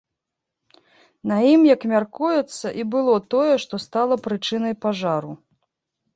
На ім, як мяркуецца, і было тое, што стала прычынай пажару.